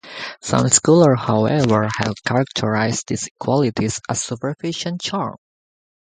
Some scholars, however, have characterized these qualities as superficial charm.